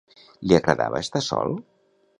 Li agradava estar sol?